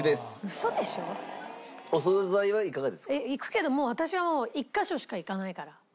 行くけどもう私は１カ所しか行かないからお惣菜。